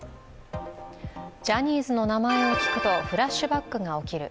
ジャニーズの名前を聞くとフラッシュバックが起きる。